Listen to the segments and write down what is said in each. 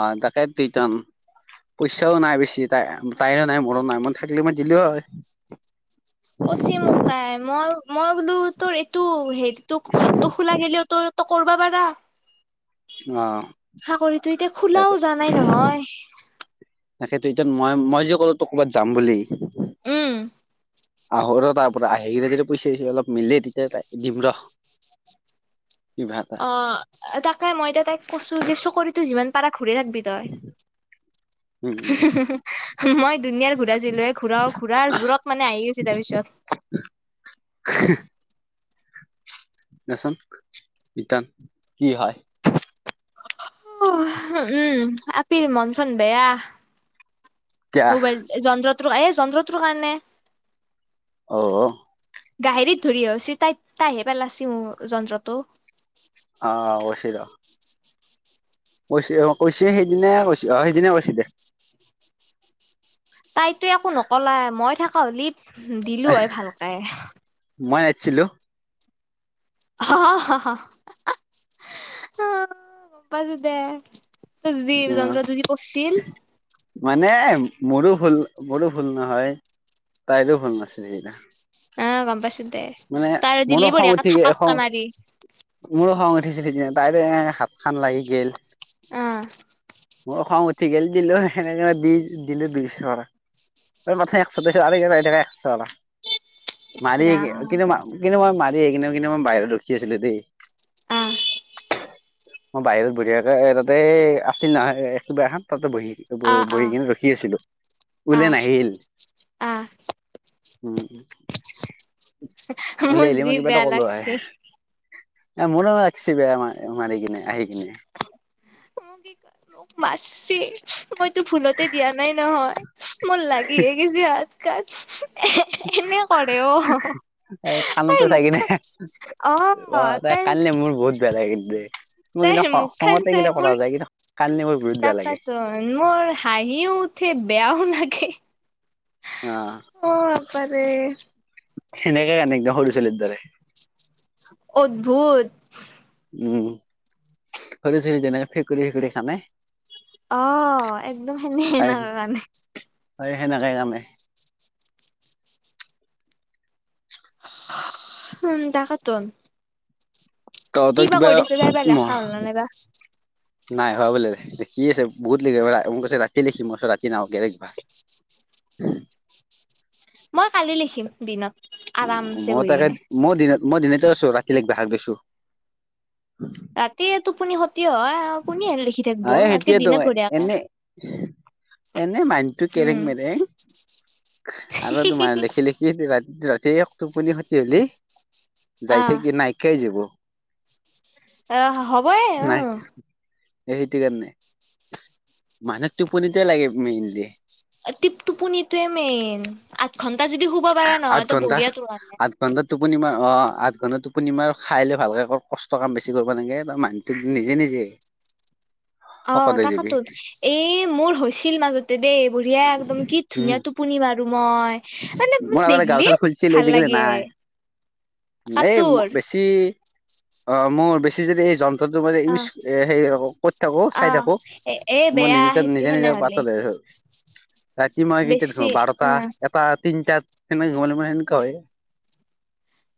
অ তাতে টুইটন পইচাও নাই বেছি তাই তাইৰো নাই মৰো নাই মই থাকিলে মই দিলেও হয়। কচি মোক তাই মই মই বোলো তোৰ এইটো হেৰিতো ঘৰটো খোলা গলিও তোৰ ত' কৰিবা পাৰা অ' চাকৰিতো এতিয়া সেইটো খোলাও জোৱা নাই নহয় তাকেতো এতিয়া মই মই যে ক'লো তোক ক'ৰবাত যাম বুলি উম আহো ৰ' তাৰ পৰা আহিলে যদি পইচা চইচা অলপ মিলে তেতিয়া তাইক দিম ৰ' কি ভাল অ' তাকে মই তাইক কৈছো যে চকৰিতো যিমান পাৰা ঘূৰে থাকবি তই উম [unintelligible] উম মই দুুনীয়াৰ ঘুৰাইছিলো এ ঘূৰাও ঘূৰাৰ জোৰত মানে আহি গৈছে তাৰ পিছত দেচোন ইটা কি হয় উম, আপিৰ মন চন বেয়া এতিয়া মোবাইল যন্ত্ৰতটোৰ এই যন্ত্ৰত্ৰুৰ কাৰণে অ অ গাহেৰিত ধৰি অহিছি তাইক তাইহে পেলাচি মোৰ যন্ত্ৰটো অ কৈছি ৰ কৈছে অ কৈছে সেইদিনাই কৈছে অ সেইদিনা কৈছে দে তাইতো একো নকলাই মই থকা হ'লি দিলো হয় ভালকে মই আছিলো হ হ হ গম পালো দে ত যি উম যন্ত্ৰটো যি পছিল মানে মোৰো ভুল মোৰো ভুল নহয় তাইৰো ভুল নাছিলে এইৰা অ গম পাইছো দে তই আৰু মোৰো দিলি খং বঢ়িয়াকে উঠি থাপাককে খং মাৰি মোৰো খং উঠিছিল হেখিনিত তাইৰো হাত খান লাগি গেল অ মোৰ খং উঠি গেল দিলো সেনেকে দি দিলো দুই চৰ মে একশ দ আৰু থাক একশা ইছ মাৰি ৰাম কিন্তু কিন্তু মই মাৰি আহিকনে কিন্তু মই বাহিৰত ৰখি আছিলো দেই অ মই বাহিৰত বঢ়িয়াকে তাতে আছিল নহয় কিবা এখন তাতে বহি আহ বহি আহ কিনে ৰখি আছিলো, ওলাই আহ নাহিল। আহ উম উলিয়ে মোৰ আহিলি যি মই কিবা এটা বেয়া কলো হয়। লাগছি মোৰো ৰাখছিবে আমাৰ মাৰ কিনে আহি কিনে। মোক [inaudible] মোক মাৰছি মইতো ভুলতে দিয়া নাই নহয়, মোৰ লাগিহে গেছি হাতখন। এনেই কৰে অ এ কাণতে তাই চাই কিনে মুখখন অ তাই তাৰ কান্দিলে মোৰ বহুত বেয়া লাগে কিন্তু দেই। তাই মুখান চাই মোৰ কান্দি [inaudible] তাকে তোন মোৰ হাঁহিও উঠে বেয়াও লাগে। আহ। অ আপা ৰে। হেনেকে কান্দে একদম সৰু ছলীৰ দৰে। অদ্ভুত। উম, সৰু ছোৱালী যেনেকে ফেকুৰী ফেকুৰী কান্দে। অ একদম সেনে হেণকা কান্দে। হয় সেনেকেই কান্দে। উম তাকেটোন। তহঁতক কিবা তাই বা লেখা মহ হ'ল নে নাইবা নাই হোৱা বোলে, লিখি আছে বহুত লিখিব পৰা মোক কৈছে ৰাতিয়ে লিখিম মই কৈছো ৰাতি নালাগে লিখবা। [inaudible] মই কালি লিখিম দিনত আৰামছে বহি কিনে। মইও দিনত মই দিনতে আছো ৰাতিলাগি বাহিৰত গৈছো। ৰাতি এ টোপনি খতি হয় আৰু কোনি হেয়া লিখি অ থাকিব তাতকে সেইটোয়েতো দিনত বঢ়িয়াকে এনে এনে মাইন্ডটো কেৰেং উম মেৰেং আৰু তোমাৰ লিখি লিখি কি ৰাতি ৰাতি এক টোপনি খতি হলি যাই আহ থাকি নাইকিয়াই হৈ যাব। এ হ'বয়ে অহ। এ সেইটো কাৰণে, মানুহক টোপনিটোয়ে লাগে মেইনলি। টিপ টোপনিটোয়ে মেইন আঠ ঘন্টা যদি শু আঠ ঘন্টা, আঠ আঠ ঘণ্টা টোপনি মাৰ অ আঠ ঘন্টা টোপনি মাৰ খাই লে ভালকে কষ্ট কাম বছি কৰিব নোলাগে মানে। টো নিজে নিজে। [unintelligible] অ শকত হৈ যাবি তাকেতো এ মোৰ হৈছিল মাজতে দেই বঢ়িয়া একদম কি ধুনীয়া টো পুনি মাৰো মই। মানে মই আগতে গাল দেখিলি চাল ফুলছিল ভাল আজি কালি লাগে নাই। এই মো কাটোৰ বেছি। অ মোৰ বেছি যদি এই য ন্ত্ৰ মাজে অ ইউজ এ হেৰি কত থাকো অ চাই থাকো এ এ মই বেয়া নিজ সেইটো নিজৰ নিজৰ সেনেহলে পাচলে হল। [unintelligible] ৰাতি মই কেইটাত বেছি শু অ বাৰটা এটা তিনিটা তেনে ঘোমাল মানে এনেকা হয়।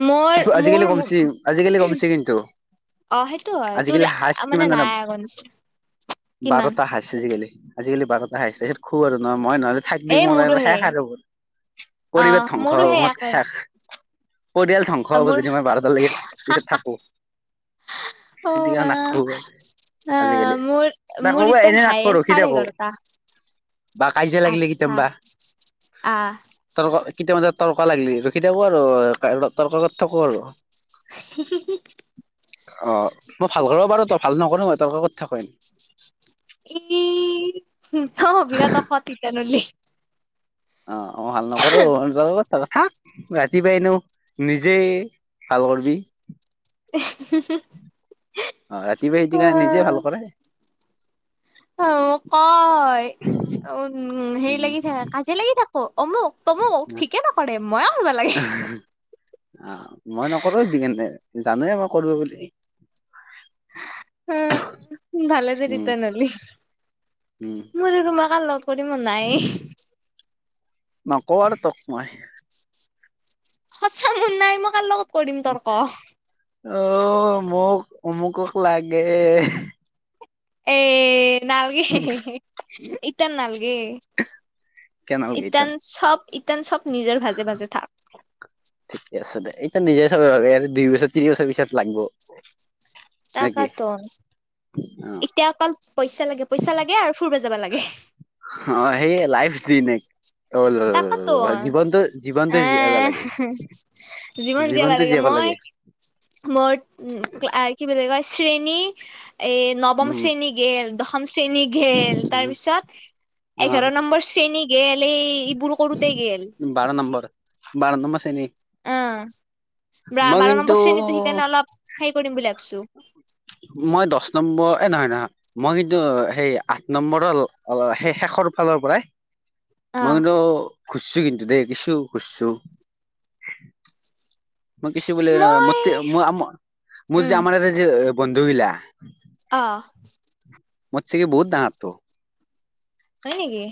মোৰ আজিকালি মোৰ কমিচি আজিকালি কমিছে কিন্তু। অ সেইটো হয়, তোৰ আজিকালি হাইচ কিমান মানে জানা নায় আগৰ। কিমান বাৰটা হয়। চিজিকালি আজিকালি বাৰটাহে খাইছে খও আৰু নয় মই নহলে থাক এ দি মোৰো সে [inaudible] হাৰো। অ পৰিবেশ ধ্বংস মোৰো হ'ব সেই মত একে শেষ। পৰিয়াল ধ্বংস হ'ব মোৰ যদি মই বাৰটালৈকে পিছত থাকোঁ। অ দিয়া নাকসো আহ আজিকালি, মোৰ তাক মোৰ ক'ব ইতেন এনেই হায়ে নাখোৱা ৰখি চাৰে থাকোঁ। এঘাৰটা বা কাইজা লাগিলে কেতিয়ামবা। আ। তৰ্কা কেতিয়াবা তৰ্কা লাগিলে ৰখি থাকোঁ আৰু তৰ্কা কৰি থাকোঁ আৰু। [inaudible] অ' মই ভাল কৰিব পাৰোঁ, তই ভাল নকৰো মই তৰ্ক কৰি থাকিম। ই, [unintelligible] বিৰাট অসৎ ইথানলি। অ' মই ভাল নকৰোঁ [unintelligible] থাক, ৰাতিপুৱাই হেনো নিজেই ভাল কৰিবি। [inaudible] অ' ৰাতিপুৱাই সেইটোকৰণে নিজেই ভাল কৰে। অ' কয় উ, হেৰি লাগি থাকে, উম কায়জিয়া লাগি থাকোঁ অমুক। তমোক ঠিকে নকৰে, ময়ে কৰিব লাগে। অ' মই নকৰোঁ হেইটো কেনে, জানোৱে মই কৰোঁ বুলি। অ' ভালে যদি উম তেনেহ'লি। উম। মই যদি তোমাক আৰ লগ কৰিম নাই। নকওঁ আৰু তক মই। সঁচা মোৰ নাই, মই কাৰ লগত কৰিম তৰ্ক? অ' মোক অমুকক লাগে এ নালগে, এতিয়া নালগে। কেনেল এতিয়ান কেইটাত চব এতিয়ান চব নিজৰ ভাজে ভাজে থাক। ঠিকে আছে দে, এতিয়া নিজে চাব দুই বছৰ তিনি বছৰ পিছত লাগিব। তাকেটো, অ এতিয়া অকল পইচা লাগে, পইচা লাগে আৰু ফুৰিব যাবা লাগে। অ' সেই লাইফ দিন এক তাকেতো জীৱনটো জীয়াব এহ লাগে জীৱন জীয়াবা জীৱনটো লাগে, জীয়াব মই মোৰ উ, কি বুলি কয়, শ্ৰেণী এ, নৱম উম শ্ৰেণী গেল, দশম শ্ৰেণী গেল, তাৰপিছত অ এঘাৰ নম্বৰ শ্ৰেণী গেল, এ, এইবোৰ কৰোতে গেল। বাৰ নম্বৰ, বাৰ নম্বৰ শ্ৰেণী। অ' বা মই বাৰ কিন্তু নম্বৰ শ্ৰেণীটো সেইকাৰণে অলপ হে কৰিম বুলি ভাবিছোঁ। মই দহ নম্বৰ এ, নহয় নহয় মই কিন্তু সেই আঠ নম্বৰৰ অ' সেই শেষৰ ফালৰ পৰাই অ মই কিন্তু ঘুৰছোঁ কিন্তু দেই, কিছু ঘুৰছোঁ। মই কিছু মই [unintelligible] মোৰ যে উম আমাৰ তাতে যে বন্ধু গিলা অ'। মোত চেগি বহুত ডাঙৰতো। হয় নেকি,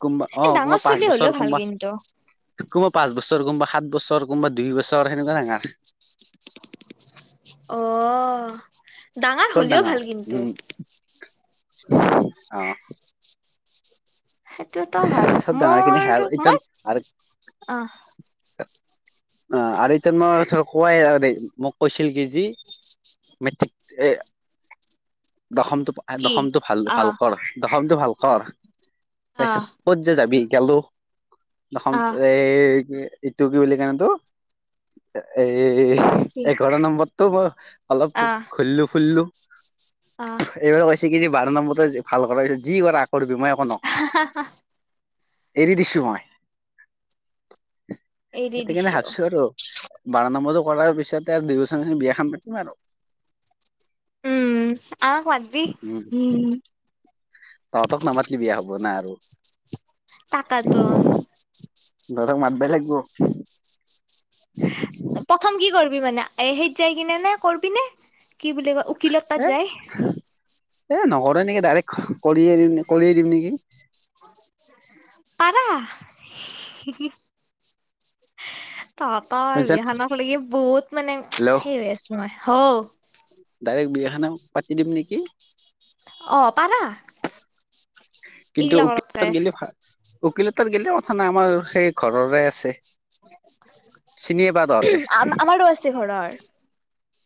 কোনোবা অ এই কোনোবা ডাঙৰ পাঁচ চলী বছৰ হ'লেও ভাল কোনোবা কিন্তু। কোনোবা পাঁচ বছৰ, কোনোবা সাত বছৰ, কোনোবা দুই বছৰ সেনেকুৱা ডাঙাৰ। অ', ডাঙৰ চব হ'লেও ভাল কিন্তু। উম অ'। সেইটোৱেইটো চব ডাঙৰ ভাল, খিনি হে এতিয়া মোৰ, আৰু মই, অ'। অ', আৰু এতিয়া মই ধৰ কোৱাই দেই, মোক কৈছিল কি যি মেট্ৰিক এ, দশমটো কি দশমটো ভাল, অ ভাল কৰ, দশমটো ভাল কৰ। অ তাৰপিছত ক'ত যে যাবি গেলো, এখন অ এ এই এইটো কি বুলি কই এইতো, এই কি এঘাৰ নম্বৰটো তো মই, অলপ অ ঘুৰলো-ফুৰলো। অ এইবাৰ কৈছে কি যে, বাৰ নম্বৰতে ভাল কৰা, পিছত যি কৰা কৰিবি মই, একো নক [unintelligible] এৰি দিছোঁ মই, এৰি সেইটোকাৰণে, দিছো ভাবছো আৰু। বাৰ নম্বৰটো কৰাৰ পিছতে আৰু, দুই বছৰ পিছত বিয়াখন পাতিম আৰু। উম, আমাক মাতবি, উম। তহঁতক নামাতলি বিয়া হ'ব না আৰু। পাতা টোন। তহঁতক মাতবা লাগব। [unintelligible] প্ৰথম কি কৰিবি মানে, সেইত যাই কিনে নে, কৰিবি নে, কি বুলি কয় উকিলৰ এ তাত যায়। এ নকৰোঁ নেকি, ডাইৰেক্ট কৰিয়ে দিম, কৰিয়ে দিম নেকি। [inaudible] পাৰা। তহঁতৰ বুইছা বিয়াখনত লকি বহুত মানে হেল্ল' হেৰি হৈ আছোঁ মই, হওঁ। ডাইৰেক্ট বিয়াখনে পাতি দিম নেকি। অ', পাৰা। কিন্তু, এইগিলা উকিলৰ কৰাতকে তাত গ'লে ভাল। উকিলৰ এ তাত গ'লে কথা নাই, আমাৰ সেই ঘৰৰে আছে, চিনিয়ে পা। তহঁতে। আমাৰো আছে ঘৰৰ,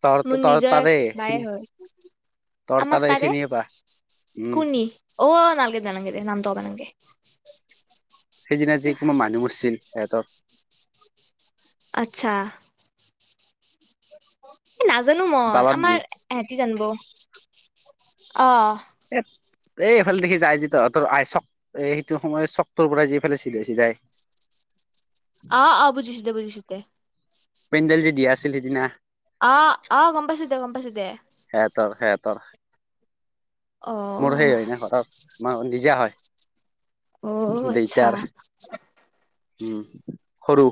তহঁত মোৰ তহঁত নিজৰ তাৰে বায়ে চিনি হয়। তৰ আমাৰ তাৰে, চিনিয়ে পা উম কুনী। অ', নালগে দে, নালগে দে, নামটো ক'বা নালগে। সেইদিনা যে, কোনবা মানুহ মৰছিল সিহঁতৰ। আচ্ছা। এ নাজানোঁ মই, বালাত যি আমাৰ ইহঁতি জানিব, অ'। এ এই এইফালে দেখিছ আই যি, তহঁতৰ আই চক। এ সেইটো সোমাই চকটোৰ পৰাই সিফালে চিধাই, চিধাই। অ', অ', বুজিছোঁ দে, বুজিছোঁ দে। পেণ্ডেল যে দিয়া আছিল, সিদিনা। অ', অ', গম পাইছোঁ দে, গম পাইছোঁ দে। সেহতৰ, সেহতৰ। মোৰ অ', সেই হয় না ঘৰৰ, আমাৰ চুন নিজৰ হয়। অ', আচ্ছা দেইতাৰ, উম, সৰু।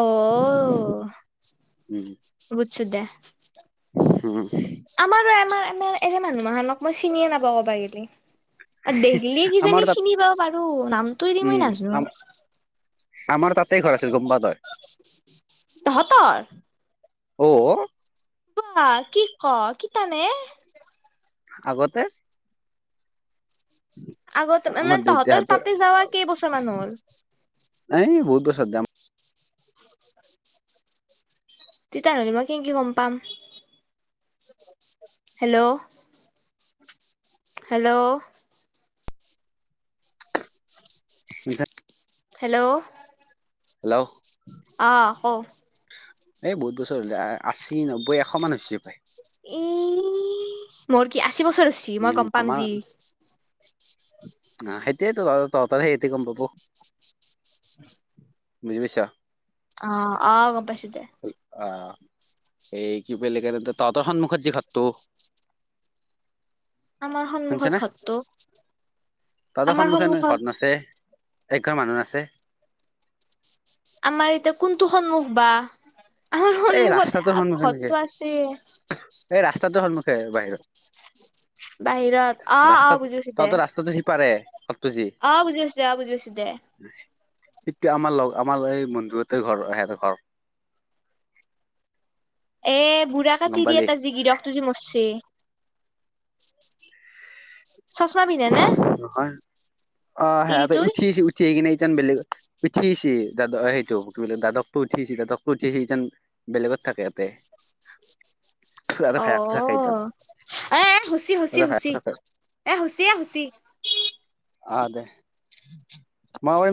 অ', উম বুজিছোঁ দে। উম। আমাৰো আমাৰ আমাৰ এনে মানুহক মই চিনিয়ে নাপাও সপায় এইগেলি। দেখলি আমাৰ কিজানি তাত চিনি পাব পাৰো নামটো এ দি উম মই নাজানো। আম আমাৰ তাতে ঘৰ আছিল গম পোৱা তই? তহঁতৰ? অ বা কি কও কিতানে আগতে আগতে আমাৰ মানে তহঁতৰ দেউতাহঁতৰ তাতে যাৱা কেইবছৰ মান হ'ল? সেই বহুত বছৰ। তেতিয়া হ'লে মই কেনকে গম পাম? [inaudible] Hello hello. [inaudible] হেল্ল'অ হেল্ল'অ আহ ক? এই বহুত বছৰ হল আশী নব্বৈ এশ মান হৈছে পায়। এই মোৰ কি আশী বছৰ হৈছে? উম আমাৰ সেইটোয়ে ত তহঁতৰ সেই সিহঁতে গম পাব। বুজি পাইছ? অ অ গম পাইছোঁ দে। অ এই কি বুলি কে তহঁতৰ সন্মুখত যি ঘৰটো? আমাৰ সন্মুখত শুনিছেনে ঘৰটো তহঁতে আমাৰ সন্মুখেন সন্মুখত ঘৰত আছে একঘৰ মানুহ আছে? আমাৰ এতিয়া কোনটো সন্মুখ বা? আমাৰ এই ৰাস্তাটোৰ সন্মুখত সন্মুখে নেকি ঘৰটো আছে। এই ৰাস্তাতটো সন্মুখে বাহিৰত? বাহিৰত অ অ ৰাস্তাত বুজি পাইছো দে তহঁতৰ ৰাস্তাটো সিপাৰে জতটো যি? অ বুজি পাইছোঁ বুজি পাইছোঁ দে। সেইটো আমাৰ লগ আমাৰ এই বন্ধু তহঁতৰ ঘৰ সেইটো ঘৰ। গম পালি [inaudible] চচমা পিন্ধে নে নহয় অ সেয়াতে তিৰিটোই উঠি আছে উঠি কিনে এই যেন বেলেগ উঠিছে দাদ সেইটো দাদকটো উঠিছে দাদকটো উঠিছেি ইতেন। বেলেগত থাকে ইহঁতে। [unintelligible] অ থাকে ইতান এ শুচি শুচি তাতে ভায়েকটো শুচি থাকে এ শুচ এ শুচি। অ দে মই কৰিম।